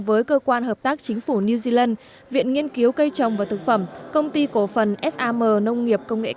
với cơ quan hợp tác chính phủ new zealand viện nghiên cứu cây trồng và thực phẩm công ty cổ phần sam nông nghiệp công nghệ cao